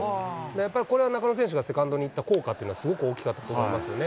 やっぱりこれは中野選手がセカンドに行った効果というのはすごく大きかったと思いますよね。